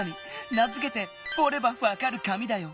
名づけて「おればわかる紙」だよ。